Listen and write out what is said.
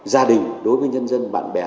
gia đình đối với nhân dân bạn bè